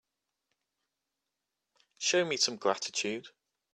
Show me some gratitude.